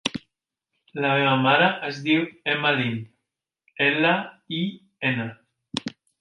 La meva mare es diu Emma Lin: ela, i, ena.